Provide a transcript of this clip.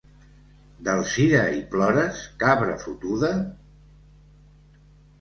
D'Alzira i plores, cabra fotuda?